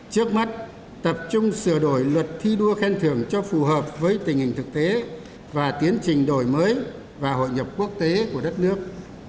trước mắt tập trung sửa đổi luật thi đua khen thưởng cho phù hợp với tình hình thực tế và tiến trình đổi mới và hội nhập quốc tế của đất nước